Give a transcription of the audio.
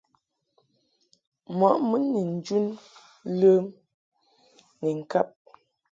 Mɔʼ mun ni njun ləm ni ŋkab .